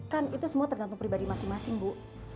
kan itu semua tergantung pribadi masing masing bu